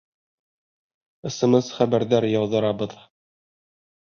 СМС хәбәрҙәр яуҙырабыҙ.